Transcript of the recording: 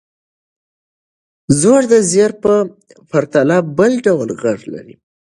زور د زېر په پرتله بل ډول غږ لري.